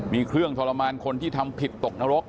มีเครื่องทรมานคนที่ทำผิดตกนรก